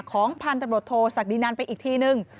ของพันธุ์ตำรวจโทษศักดินันไปอีกทีนึง